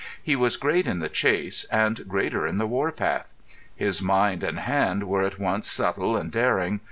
He was great in the chase, and greater on the warpath. His mind and hand were at once subtle and daring.